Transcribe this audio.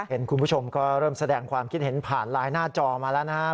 คุณผู้ชมก็เริ่มแสดงความคิดเห็นผ่านไลน์หน้าจอมาแล้วนะครับ